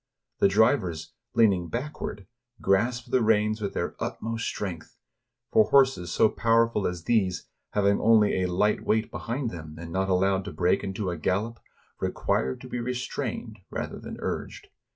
The drivers, leaning backward, grasp the reins with their utmost strength; for horses so powerful as these, having only a light weight behind them, and not allowed to break into a gallop, require to be restrained rather than urged.